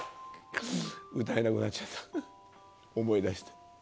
歌えなくなっちゃった、思い出して。